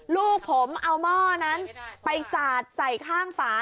ลูกผมเอาหม้อนั้นไปสาดใส่ข้างฝา